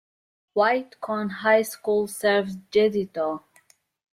White Cone High School serves Jeddito.